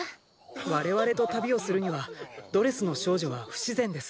我々と旅をするにはドレスの少女は不自然です。